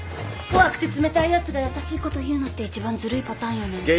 怖くて冷たいやつが優しいこと言うのって一番ずるいパターンよね。